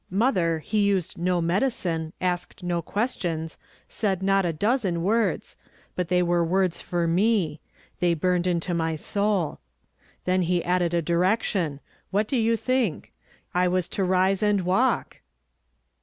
Mother, he used no medi cine, asked no questions, said not a dozen words ; but they were words for me ; tliey burned into my soul. Then he added a direction. What do you think? I was to rise and walk!